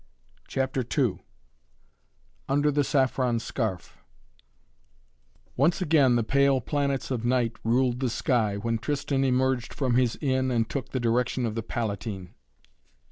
CHAPTER II UNDER THE SAFFRON SCARF Once again the pale planets of night ruled the sky, when Tristan emerged from his inn and took the direction of the Palatine.